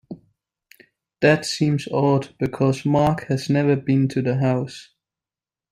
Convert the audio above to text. That seems odd because Mark has never been to the house.